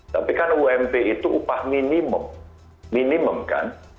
tapi kan ump itu upah minimum minimum kan